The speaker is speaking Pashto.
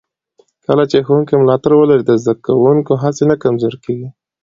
کله چې ښوونکي ملاتړ ولري، د زده کوونکو هڅې نه کمزورې کېږي.